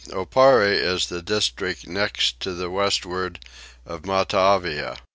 Oparre is the district next to the westward of Matavai.